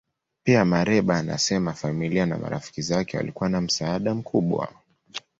Pia, Mereba anasema familia na marafiki zake walikuwa na msaada mkubwa.